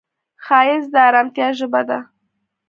ښایست د ارامتیا ژبه ده